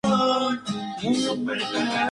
Sin embargo, la última reunión fue crucial.